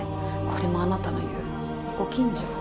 これもあなたの言うご近所？